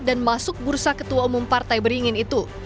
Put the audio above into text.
dan masuk bursa ketua umum partai beringin itu